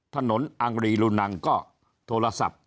อังรีรุนังก็โทรศัพท์